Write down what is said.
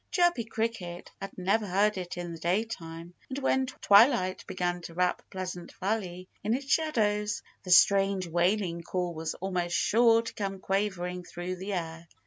Chirpy Cricket had never heard it in the daytime. But when twilight began to wrap Pleasant Valley in its shadows, the strange, wailing call was almost sure to come quavering through the air.